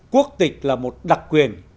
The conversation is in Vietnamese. quốc tịch là một đặc quyền